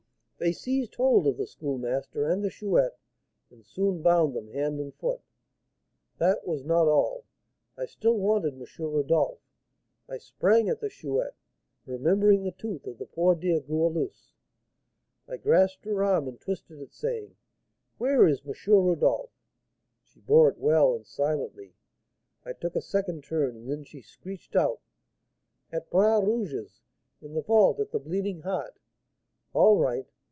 They seized hold of the Schoolmaster and the Chouette, and soon bound them hand and foot. That was not all, I still wanted M. Rodolph. I sprang at the Chouette; remembering the tooth of the poor dear Goualeuse, I grasped her arm and twisted it, saying, 'Where is M. Rodolph?' She bore it well, and silently. I took a second turn, and then she screeched out, 'At Bras Rouge's, in the vault at the Bleeding Heart!' All right!